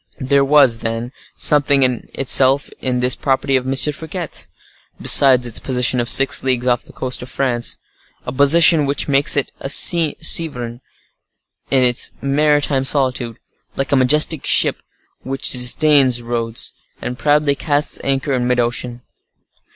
There was, then, something in itself in this property of M. Fouquet's, besides its position of six leagues off the coast of France; a position which makes it a sovereign in its maritime solitude, like a majestic ship which disdains roads, and proudly casts anchor in mid ocean.